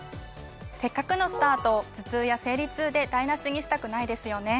せっかくのスタートを頭痛や生理痛で台無しにしたくないですよね。